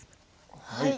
はい。